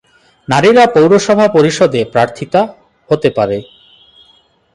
নারীরা পৌরসভা পরিষদে প্রার্থিতা হতে পারে।